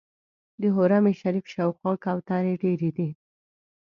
د حرم شریف شاوخوا کوترې ډېرې دي.